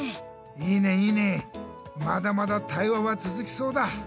いいねいいねまだまだ対話はつづきそうだ。